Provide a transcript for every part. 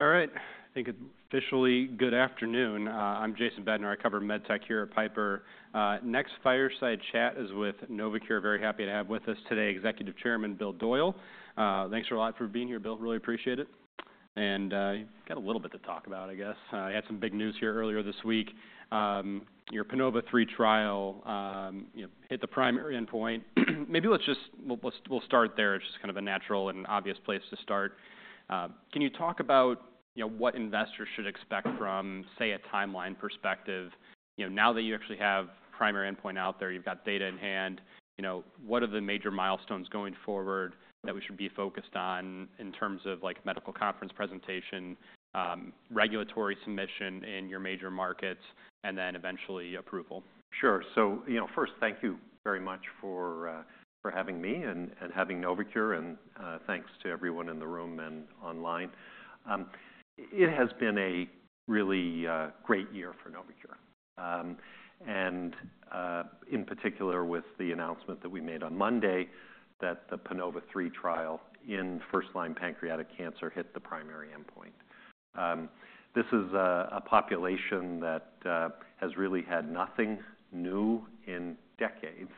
All right. I think it's officially good afternoon. I'm Jason Bednar. I cover MedTech here at Piper. Next fireside chat is with Novocure. Very happy to have with us today Executive Chairman Bill Doyle. Thanks a lot for being here, Bill. Really appreciate it, and you've got a little bit to talk about, I guess. You had some big news here earlier this week. Your PANOVA-3 trial hit the primary endpoint. Maybe let's just start there. It's just kind of a natural and obvious place to start. Can you talk about what investors should expect from, say, a timeline perspective? Now that you actually have primary endpoint out there, you've got data in hand, what are the major milestones going forward that we should be focused on in terms of medical conference presentation, regulatory submission in your major markets, and then eventually approval? Sure. So first, thank you very much for having me and having Novocure. And thanks to everyone in the room and online. It has been a really great year for Novocure. And in particular, with the announcement that we made on Monday that the PANOVA-3 trial in first-line pancreatic cancer hit the primary endpoint. This is a population that has really had nothing new in decades.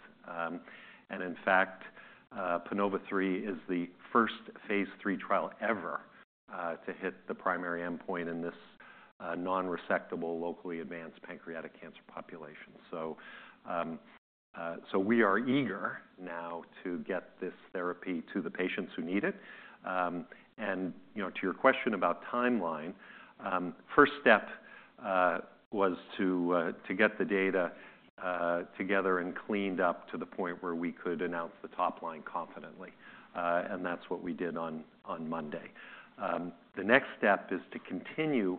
And in fact, PANOVA-3 is the first phase 3 trial ever to hit the primary endpoint in this non-resectable, locally advanced pancreatic cancer population. So we are eager now to get this therapy to the patients who need it. And to your question about timeline, the first step was to get the data together and cleaned up to the point where we could announce the top line confidently. And that's what we did on Monday. The next step is to continue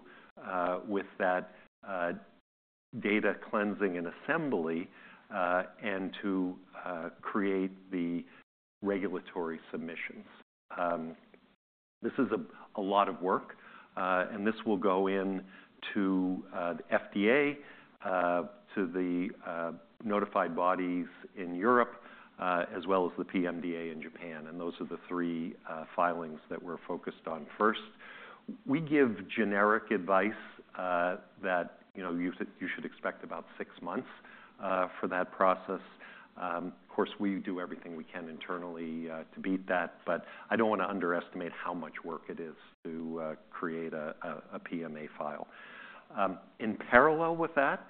with that data cleansing and assembly and to create the regulatory submissions. This is a lot of work, and this will go into the FDA, to the notified bodies in Europe, as well as the PMDA in Japan, and those are the three filings that we're focused on first. We give generic advice that you should expect about six months for that process. Of course, we do everything we can internally to beat that, but I don't want to underestimate how much work it is to create a PMA file. In parallel with that,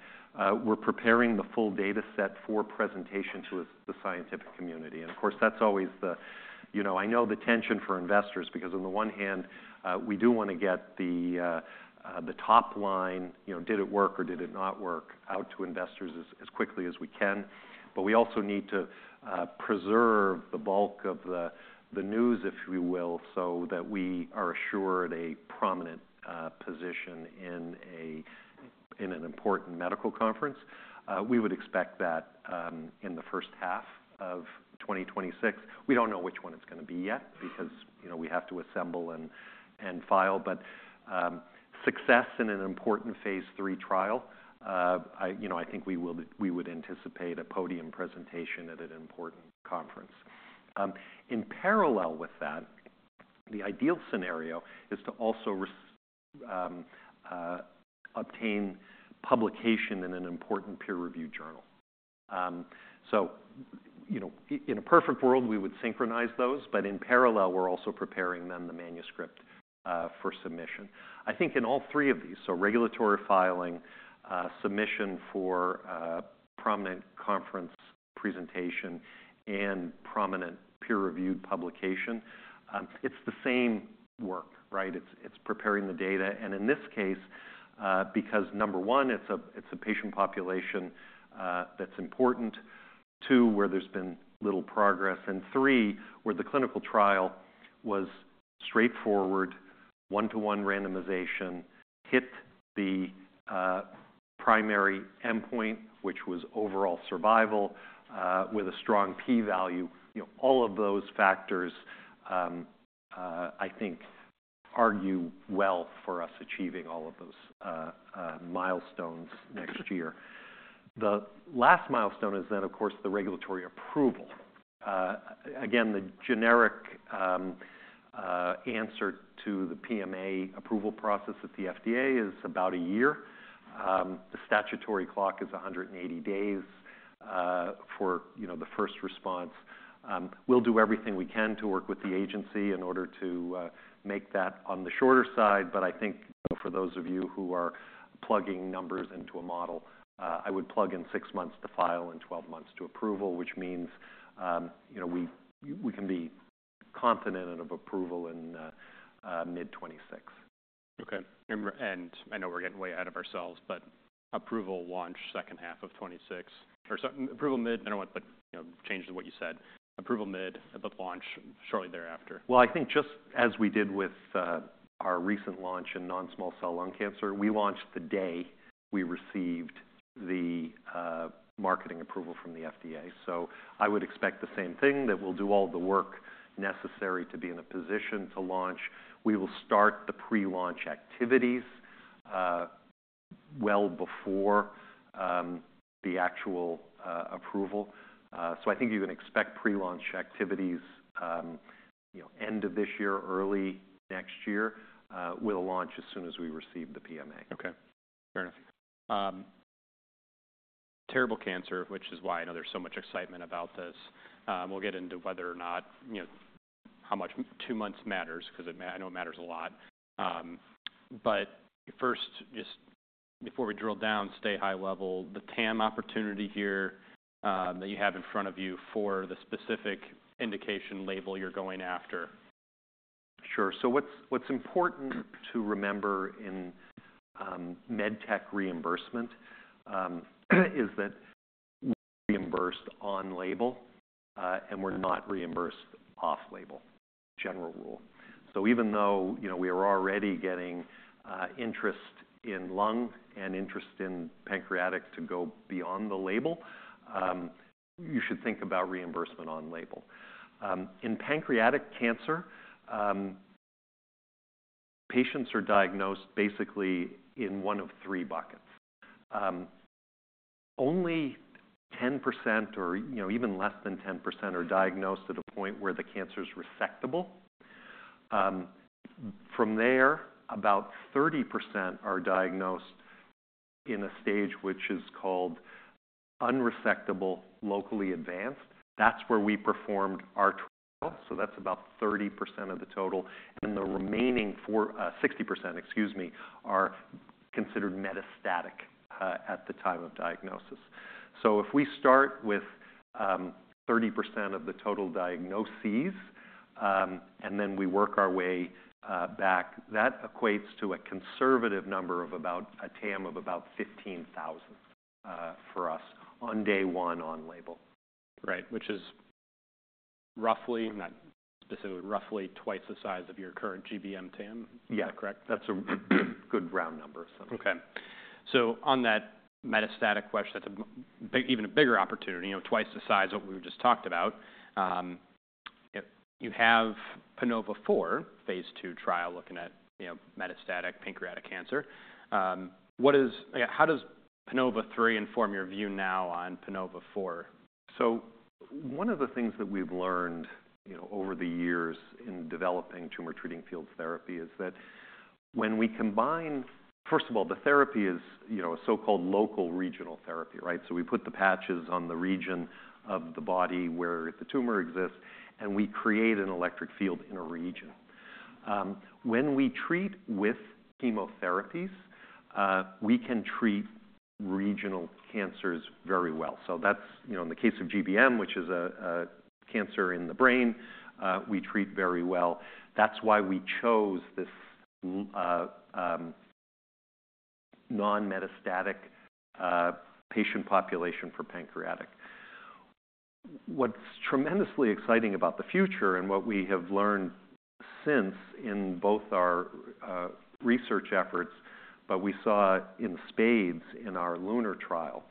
we're preparing the full data set for presentation to the scientific community. And of course, that's always, I know, the tension for investors because on the one hand, we do want to get the top line, did it work or did it not work, out to investors as quickly as we can. But we also need to preserve the bulk of the news, if you will, so that we are assured a prominent position in an important medical conference. We would expect that in the first half of 2026. We don't know which one it's going to be yet because we have to assemble and file. But success in an important phase 3 trial, I think we would anticipate a podium presentation at an important conference. In parallel with that, the ideal scenario is to also obtain publication in an important peer-reviewed journal. So in a perfect world, we would synchronize those. But in parallel, we're also preparing then the manuscript for submission. I think in all three of these, so regulatory filing, submission for prominent conference presentation, and prominent peer-reviewed publication, it's the same work, right? It's preparing the data. And in this case, because number one, it's a patient population that's important, two, where there's been little progress, and three, where the clinical trial was straightforward, one-to-one randomization, hit the primary endpoint, which was overall survival, with a strong p-value. All of those factors, I think, argue well for us achieving all of those milestones next year. The last milestone is then, of course, the regulatory approval. Again, the generic answer to the PMA approval process at the FDA is about a year. The statutory clock is 180 days for the first response. We'll do everything we can to work with the agency in order to make that on the shorter side. But I think for those of you who are plugging numbers into a model, I would plug in six months to file and 12 months to approval, which means we can be confident of approval in mid-2026. OK. And I know we're getting way ahead of ourselves, but approval launch second half of 2026. Approval mid, I don't want to change what you said. Approval mid but launch shortly thereafter. I think just as we did with our recent launch in non-small cell lung cancer, we launched the day we received the marketing approval from the FDA. I would expect the same thing, that we'll do all the work necessary to be in a position to launch. We will start the pre-launch activities well before the actual approval. I think you can expect pre-launch activities end of this year, early next year. We'll launch as soon as we receive the PMA. OK. Fair enough. Terrible cancer, which is why I know there's so much excitement about this. We'll get into whether or not how much two months matters because I know it matters a lot. But first, just before we drill down, stay high level, the TAM opportunity here that you have in front of you for the specific indication label you're going after. Sure. So what's important to remember in medtech reimbursement is that we're reimbursed on label and we're not reimbursed off label, general rule. So even though we are already getting interest in lung and interest in pancreatic to go beyond the label, you should think about reimbursement on label. In pancreatic cancer, patients are diagnosed basically in one of three buckets. Only 10% or even less than 10% are diagnosed at a point where the cancer is resectable. From there, about 30% are diagnosed in a stage which is called unresectable, locally advanced. That's where we performed our trial. So that's about 30% of the total. And the remaining 60%, excuse me, are considered metastatic at the time of diagnosis. So if we start with 30% of the total diagnoses and then we work our way back, that equates to a conservative number of about a TAM of about 15,000 for us on day one on label. Right, which is roughly, not specifically, roughly twice the size of your current GBM TAM. Is that correct? Yeah. That's a good round number. OK, so on that metastatic question, that's even a bigger opportunity, twice the size of what we just talked about. You have PANOVA-4, phase 2 trial looking at metastatic pancreatic cancer. How does PANOVA-3 inform your view now on PANOVA-4? One of the things that we've learned over the years in developing Tumor Treating Fields therapy is that when we combine, first of all, the therapy is a so-called locoregional therapy, right? So we put the patches on the region of the body where the tumor exists, and we create an electric field in a region. When we treat with chemotherapies, we can treat regional cancers very well. So that's in the case of GBM, which is a cancer in the brain, we treat very well. That's why we chose this non-metastatic patient population for pancreatic. What's tremendously exciting about the future and what we have learned since in both our research efforts, but we saw in spades in our LUNAR trial,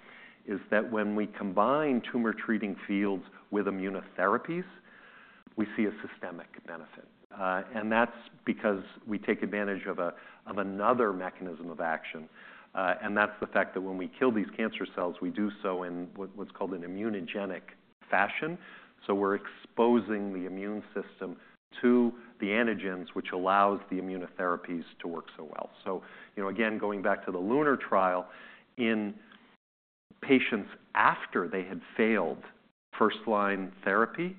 is that when we combine Tumor Treating Fields with immunotherapies, we see a systemic benefit. And that's because we take advantage of another mechanism of action. And that's the fact that when we kill these cancer cells, we do so in what's called an immunogenic fashion. So we're exposing the immune system to the antigens, which allows the immunotherapies to work so well. So again, going back to the LUNAR trial, in patients after they had failed first-line therapy,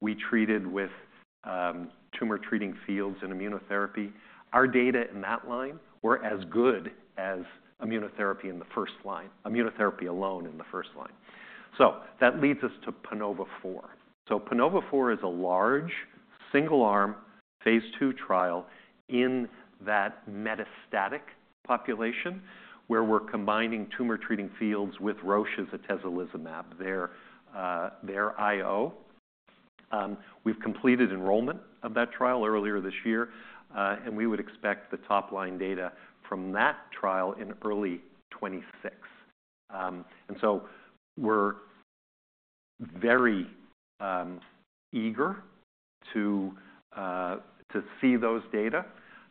we treated with Tumor Treating Fields and immunotherapy. Our data in that line were as good as immunotherapy in the first line, immunotherapy alone in the first line. So that leads us to PANOVA-4. So PANOVA-4 is a large, single-arm, phase 2 trial in that metastatic population where we're combining Tumor Treating Fields with Roche's atezolizumab, their IO. We've completed enrollment of that trial earlier this year. And we would expect the top-line data from that trial in early 2026. And so we're very eager to see those data.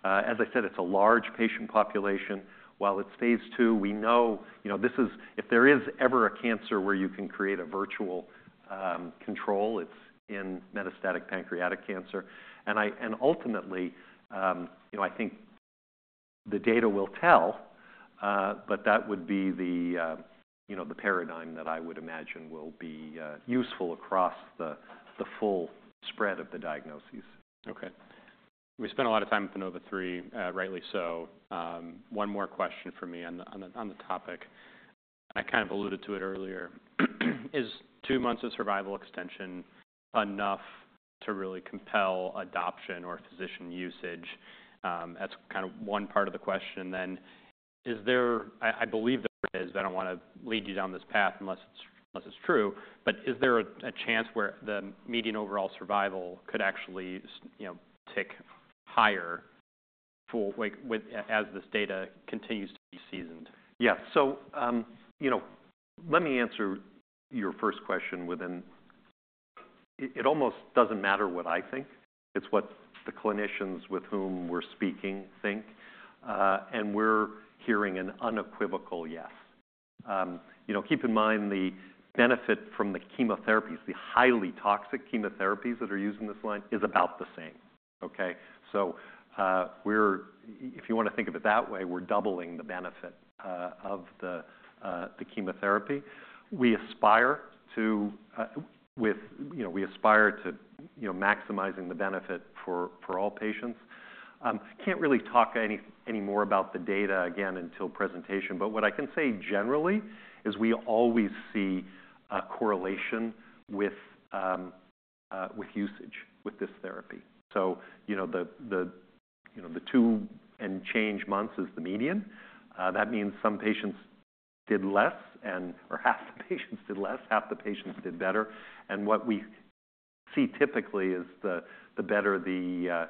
As I said, it's a large patient population. While it's phase 2, we know if there is ever a cancer where you can create a virtual control, it's in metastatic pancreatic cancer. And ultimately, I think the data will tell, but that would be the paradigm that I would imagine will be useful across the full spread of the diagnoses. OK. We spent a lot of time with PANOVA-3, rightly so. One more question for me on the topic. I kind of alluded to it earlier. Is two months of survival extension enough to really compel adoption or physician usage? That's kind of one part of the question. And then I believe there is, but I don't want to lead you down this path unless it's true. But is there a chance where the median overall survival could actually tick higher as this data continues to be seasoned? Yeah. So let me answer your first question, but it almost doesn't matter what I think. It's what the clinicians with whom we're speaking think. And we're hearing an unequivocal yes. Keep in mind the benefit from the chemotherapies, the highly toxic chemotherapies that are used in this line, is about the same, OK? So if you want to think of it that way, we're doubling the benefit of the chemotherapy. We aspire to maximizing the benefit for all patients. Can't really talk any more about the data again until presentation. But what I can say generally is we always see a correlation with usage with this therapy. So the two and change months is the median. That means some patients did less, or half the patients did less, half the patients did better. And what we see typically is the better the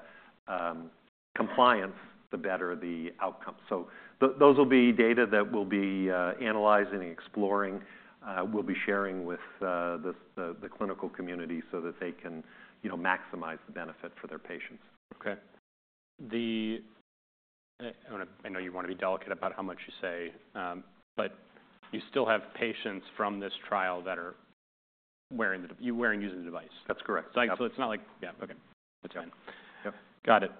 compliance, the better the outcome. So those will be data that we'll be analyzing and exploring. We'll be sharing with the clinical community so that they can maximize the benefit for their patients. OK. I know you want to be delicate about how much you say, but you still have patients from this trial that are wearing the device. That's correct. So it's not like, yeah, OK. That's fine. Yep. Got it,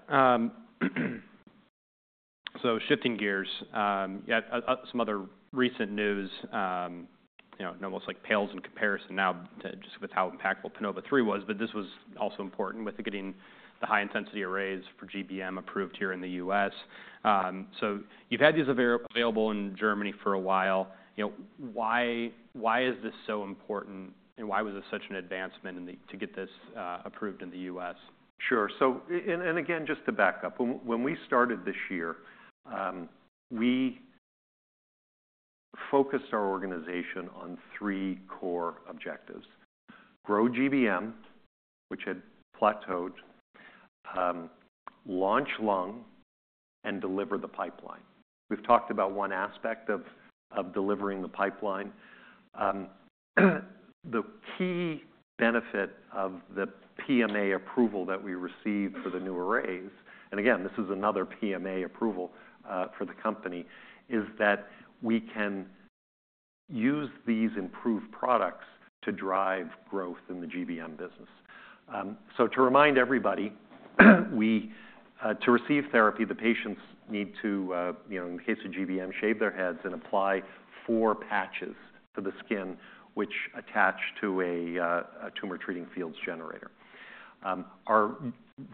so shifting gears, some other recent news, almost like pales in comparison now just with how impactful PANOVA-3 was, but this was also important with getting the high-intensity arrays for GBM approved here in the U.S. So you've had these available in Germany for a while. Why is this so important? And why was this such an advancement to get this approved in the U.S.? Sure, and again, just to back up, when we started this year, we focused our organization on three core objectives: grow GBM, which had plateaued, launch lung, and deliver the pipeline. We've talked about one aspect of delivering the pipeline. The key benefit of the PMA approval that we received for the new arrays, and again, this is another PMA approval for the company, is that we can use these improved products to drive growth in the GBM business, so to remind everybody, to receive therapy, the patients need to, in the case of GBM, shave their heads and apply four patches to the skin, which attach to a Tumor Treating Fields generator. Our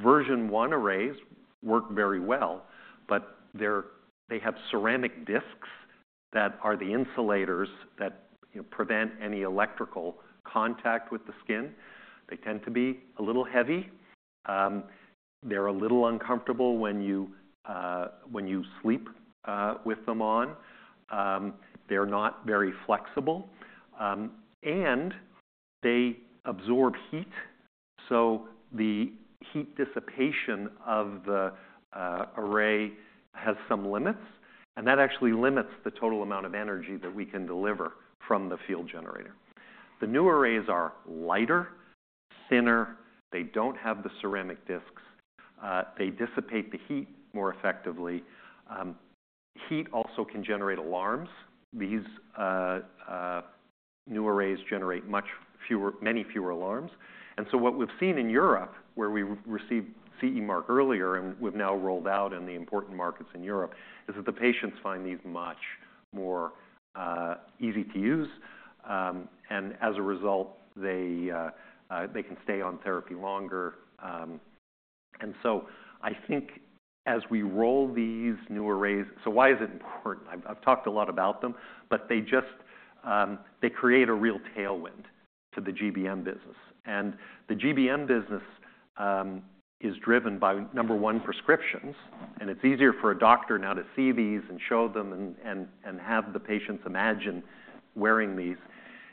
version one arrays work very well, but they have ceramic discs that are the insulators that prevent any electrical contact with the skin. They tend to be a little heavy. They're a little uncomfortable when you sleep with them on. They're not very flexible, and they absorb heat. So the heat dissipation of the array has some limits, and that actually limits the total amount of energy that we can deliver from the field generator. The new arrays are lighter, thinner. They don't have the ceramic discs. They dissipate the heat more effectively. Heat also can generate alarms. These new arrays generate many fewer alarms, and so what we've seen in Europe, where we received CE mark earlier and we've now rolled out in the important markets in Europe, is that the patients find these much more easy to use. And as a result, they can stay on therapy longer, and so I think as we roll these new arrays, so why is it important? I've talked a lot about them, but they create a real tailwind to the GBM business. And the GBM business is driven by, number one, prescriptions. And it's easier for a doctor now to see these and show them and have the patients imagine wearing these.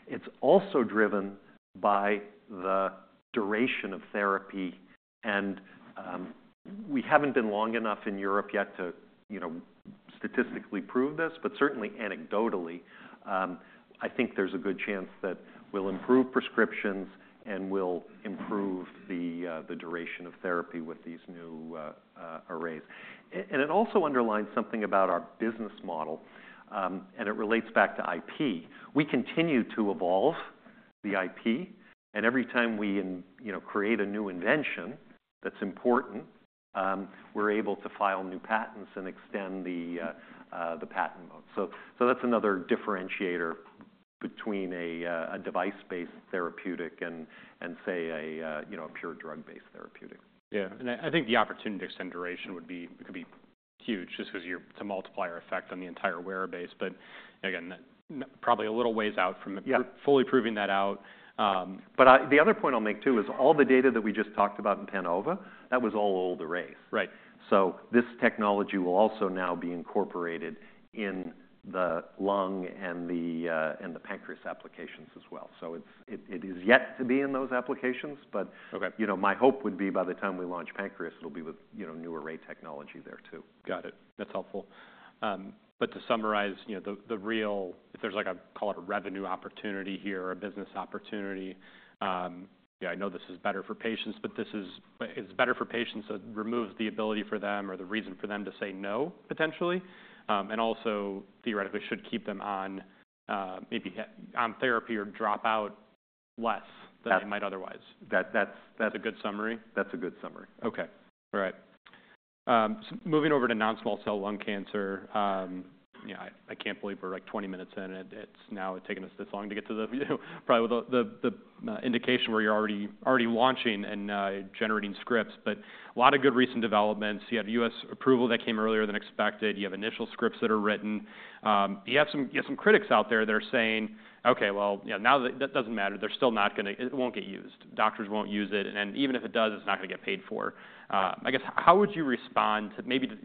It's also driven by the duration of therapy. And we haven't been long enough in Europe yet to statistically prove this, but certainly anecdotally, I think there's a good chance that we'll improve prescriptions and we'll improve the duration of therapy with these new arrays. And it also underlines something about our business model. And it relates back to IP. We continue to evolve the IP. And every time we create a new invention that's important, we're able to file new patents and extend the patent moat. So that's another differentiator between a device-based therapeutic and, say, a pure drug-based therapeutic. Yeah, and I think the opportunity to extend duration could be huge just because you're to multiply your effect on the entire wearer base. But again, probably a little ways out from fully proving that out. But the other point I'll make, too, is all the data that we just talked about in PANOVA, that was all old arrays. Right. So this technology will also now be incorporated in the lung and the pancreas applications as well. So it is yet to be in those applications. But my hope would be by the time we launch pancreas, it'll be with new array technology there, too. Got it. That's helpful. But to summarize, the real, if there's like a, call it a revenue opportunity here, a business opportunity, yeah, I know this is better for patients, but this is better for patients that removes the ability for them or the reason for them to say no, potentially. And also, theoretically, should keep them on therapy or drop out less than it might otherwise. That's a good summary? That's a good summary. OK. All right. Moving over to non-small cell lung cancer. I can't believe we're like 20 minutes in. It's now taken us this long to get to probably the indication where you're already launching and generating scripts. But a lot of good recent developments. You have U.S. approval that came earlier than expected. You have initial scripts that are written. You have some critics out there that are saying, OK, well, now that doesn't matter. They're still not going to, it won't get used. Doctors won't use it. And even if it does, it's not going to get paid for. I guess, how would you respond to maybe to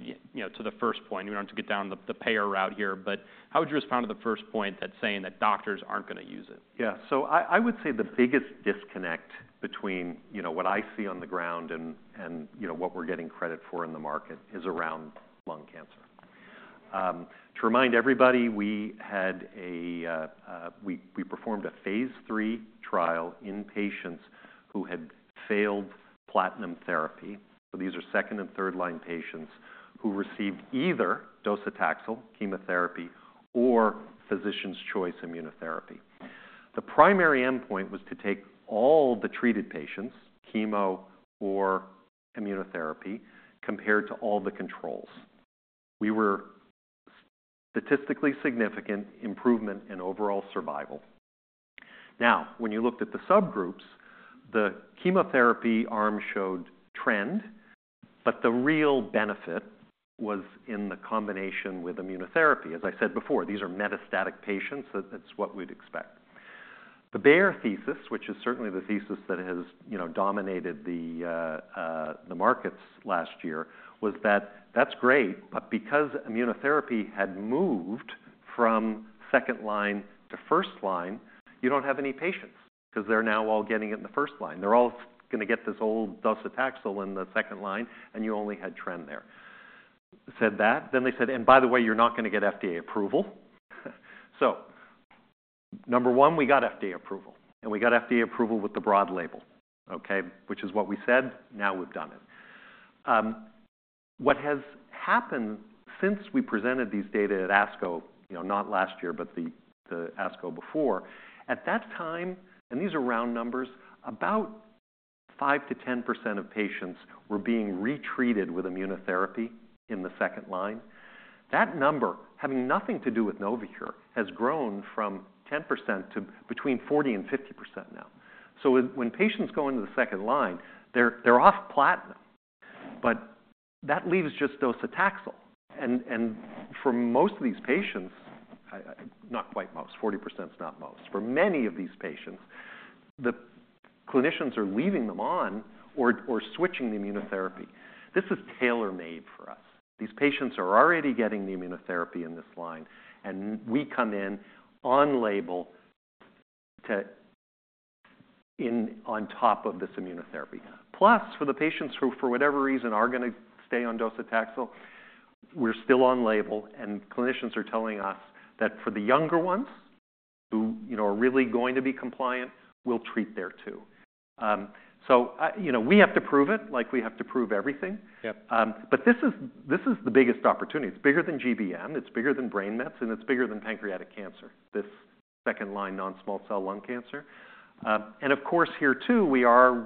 the first point? We don't have to get down the payer route here. But how would you respond to the first point that's saying that doctors aren't going to use it? Yeah. So I would say the biggest disconnect between what I see on the ground and what we're getting credit for in the market is around lung cancer. To remind everybody, we performed a phase 3 trial in patients who had failed platinum therapy. So these are second- and third-line patients who received either docetaxel chemotherapy or physician's choice immunotherapy. The primary endpoint was to take all the treated patients, chemo or immunotherapy, compared to all the controls. We were statistically significant improvement in overall survival. Now, when you looked at the subgroups, the chemotherapy arm showed trend. But the real benefit was in the combination with immunotherapy. As I said before, these are metastatic patients. That's what we'd expect. The bear thesis, which is certainly the thesis that has dominated the markets last year, was that that's great. But because immunotherapy had moved from second line to first line, you don't have any patients because they're now all getting it in the first line. They're all going to get this old docetaxel in the second line. And you only had trend there. Said that. Then they said, and by the way, you're not going to get FDA approval. So number one, we got FDA approval. And we got FDA approval with the broad label, OK, which is what we said. Now we've done it. What has happened since we presented these data at ASCO, not last year, but the ASCO before, at that time, and these are round numbers, about 5% to 10% of patients were being retreated with immunotherapy in the second line. That number, having nothing to do with Novocure, has grown from 10% to between 40% and 50% now. So when patients go into the second line, they're off platinum. But that leaves just docetaxel. And for most of these patients, not quite most, 40% is not most. For many of these patients, the clinicians are leaving them on or switching the immunotherapy. This is tailor-made for us. These patients are already getting the immunotherapy in this line. And we come in on label on top of this immunotherapy. Plus, for the patients who, for whatever reason, are going to stay on docetaxel, we're still on label. And clinicians are telling us that for the younger ones who are really going to be compliant, we'll treat there, too. So we have to prove it like we have to prove everything. But this is the biggest opportunity. It's bigger than GBM. It's bigger than brain mets. And it's bigger than pancreatic cancer, this second line non-small cell lung cancer. And of course, here, too, we're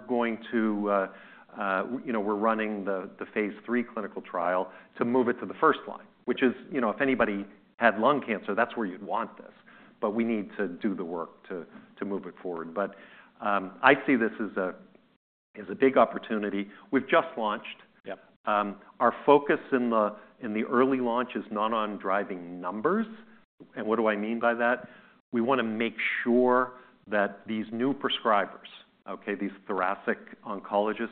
running the phase 3 clinical trial to move it to the first line, which is, if anybody had lung cancer, that's where you'd want this. But we need to do the work to move it forward. But I see this as a big opportunity. We've just launched. Our focus in the early launch is not on driving numbers. And what do I mean by that? We want to make sure that these new prescribers, these thoracic oncologists,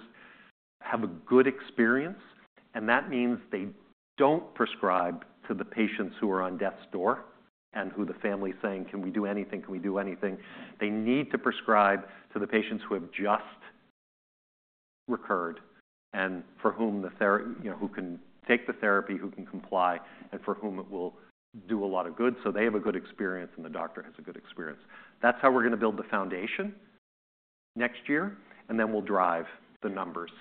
have a good experience. And that means they don't prescribe to the patients who are on death's door and who the family is saying, can we do anything? Can we do anything? They need to prescribe to the patients who have just recurred and who can take the therapy, who can comply, and for whom it will do a lot of good. They have a good experience and the doctor has a good experience. That's how we're going to build the foundation next year. Then we'll drive the numbers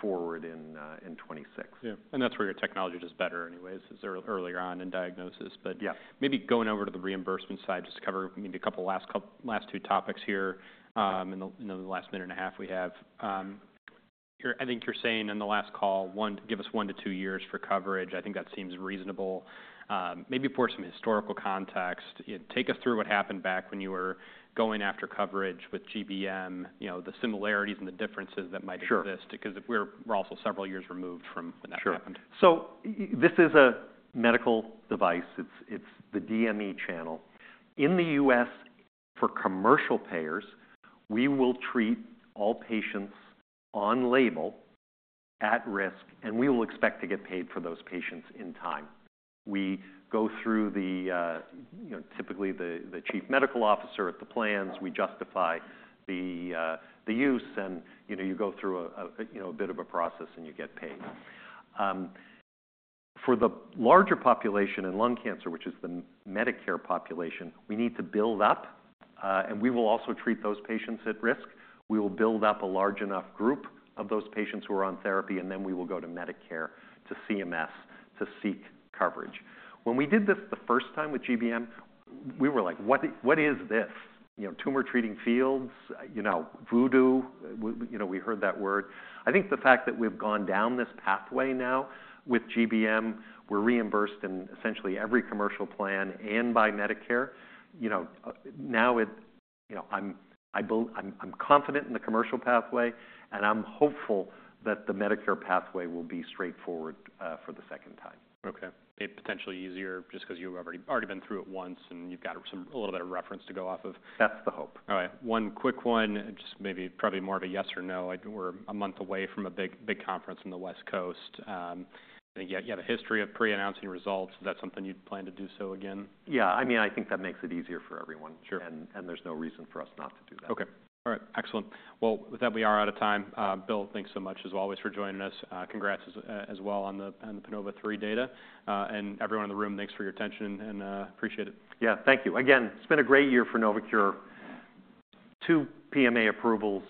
forward in 2026. Yeah. And that's where your technology is better anyways, is earlier on in diagnosis. But maybe going over to the reimbursement side, just to cover maybe a couple of last two topics here in the last minute and a half we have. I think you're saying in the last call, give us one to two years for coverage. I think that seems reasonable. Maybe for some historical context, take us through what happened back when you were going after coverage with GBM, the similarities and the differences that might exist because we're also several years removed from when that happened. Sure. So this is a medical device. It's the DME channel. In the U.S., for commercial payers, we will treat all patients on label at risk. And we will expect to get paid for those patients in time. We go through, typically, the chief medical officer at the plans. We justify the use. And you go through a bit of a process and you get paid. For the larger population in lung cancer, which is the Medicare population, we need to build up. And we will also treat those patients at risk. We will build up a large enough group of those patients who are on therapy. And then we will go to Medicare to CMS to seek coverage. When we did this the first time with GBM, we were like, what is this? Tumor Treating Fields? Voodoo? We heard that word. I think the fact that we've gone down this pathway now with GBM, we're reimbursed in essentially every commercial plan and by Medicare. Now I'm confident in the commercial pathway, and I'm hopeful that the Medicare pathway will be straightforward for the second time. OK. Maybe potentially easier just because you've already been through it once and you've got a little bit of reference to go off of. That's the hope. All right. One quick one, just maybe probably more of a yes or no. We're a month away from a big conference in the West Coast. You have a history of pre-announcing results. Is that something you'd plan to do so again? Yeah. I mean, I think that makes it easier for everyone, and there's no reason for us not to do that. OK. All right. Excellent. Well, with that, we are out of time. Bill, thanks so much as always for joining us. Congrats as well on the PANOVA-3 data. And everyone in the room, thanks for your attention. And appreciate it. Yeah. Thank you. Again, it's been a great year for Novocure. Two PMA approvals,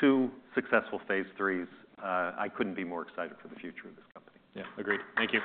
two successful phase 3s. I couldn't be more excited for the future of this company. Yeah. Agreed. Thank you.